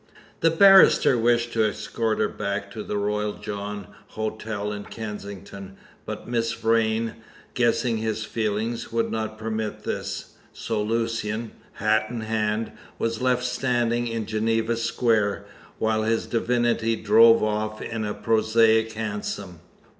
The barrister wished to escort her back to the Royal John Hotel in Kensington, but Miss Vrain, guessing his feelings, would not permit this; so Lucian, hat in hand, was left standing in Geneva Square, while his divinity drove off in a prosaic hansom.